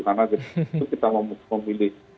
karena kita memilih